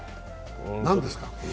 何ですか？